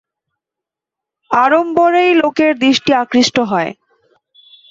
আড়ম্বরেই লোকের দৃষ্টি আকৃষ্ট হয়।